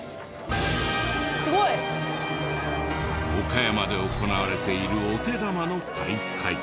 すごい！岡山で行われているお手玉の大会。